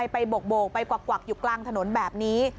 โบกไปกวักอยู่กลางถนนแบบนี้